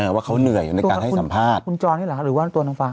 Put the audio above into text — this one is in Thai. เออว่าเขาเหนื่อยในการให้สัมภาษณ์คุณจรหรือหรือว่าตัวทั้งฟ้า